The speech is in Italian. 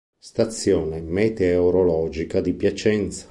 Stazione meteorologica di Piacenza